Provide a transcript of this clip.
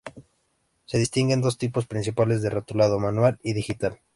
Se distinguen dos tipos principales de rotulado: manual y digital.